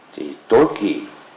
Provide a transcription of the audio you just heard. thì tối kỳ